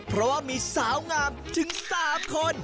เพราะว่ามีสาวงามถึง๓คน